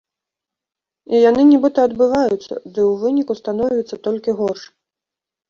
І яны нібыта адбываюцца, ды ў выніку становіцца толькі горш.